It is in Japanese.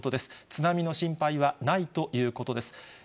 津波の心配はないということです。